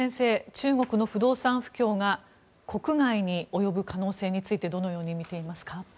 中国の不動産不況が国外に及ぶ可能性についてどのように見ていますか？